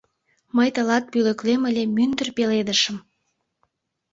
Мый тылат пӧлеклем ыле мӱндыр пеледышым